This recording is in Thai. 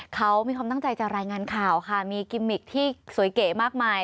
เขามีความตั้งใจจะรายงานข่าวค่ะมีกิมมิกที่สวยเก๋มากมาย